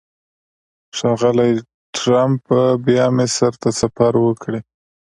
ښاغلی ټرمپ به بیا مصر ته سفر وکړي.